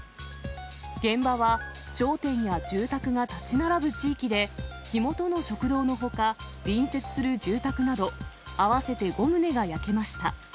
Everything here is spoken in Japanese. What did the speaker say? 現場は、商店や住宅が建ち並ぶ地域で、火元の食堂のほか、隣接する住宅など、合わせて５棟が焼けました。